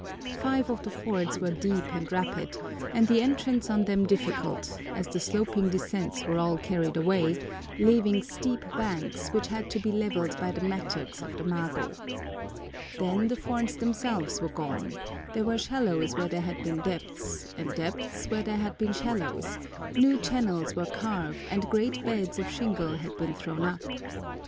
Five of the fords were deep and rapid, and the entrance on them difficult, as the sloping descents were all carried away, leaving steep banks, which had to be levelled by the mattocks of the mago. Then the fords themselves were gone; there were shallows where there had been depths, and depths where there had been shallows; new channels were carved, and great beds of shingle had been thrown up.